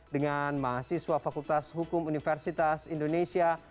dengan mahasiswa fakultas hukum universitas indonesia